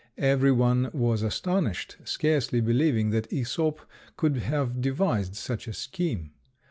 Every one was astonished, scarcely believing that Æsop could have devised such a scheme.